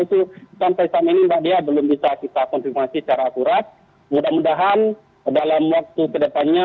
itu sampai saat ini mbak dia belum bisa kita konfirmasi secara akurat mudah mudahan dalam waktu kedepannya